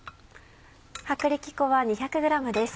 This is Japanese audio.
薄力粉は２００ｇです。